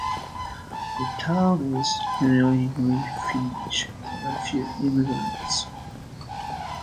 The town is unilingually Finnish; there are few immigrants.